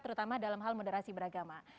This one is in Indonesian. terutama dalam hal moderasi beragama